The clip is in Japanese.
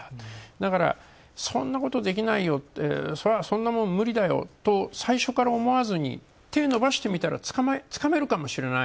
だから、そんなことできないよって、そんなもん無理だよと最初から思わずに、手を伸ばしてみたらつかめるかもしれない。